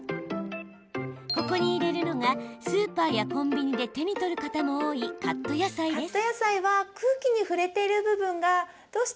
ここに入れるのがスーパーやコンビニで手に取る方も多いカット野菜です。